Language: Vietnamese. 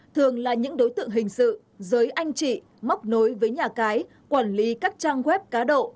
thường là những đối tượng hình sự giới anh chị móc nối với nhà cái quản lý các trang web cá độ